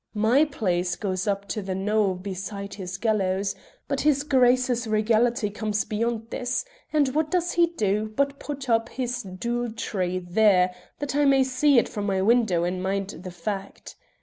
My place goes up to the knowe beside his gallows; but his Grace's regality comes beyond this, and what does he do but put up his dule tree there that I may see it from my window and mind the fact.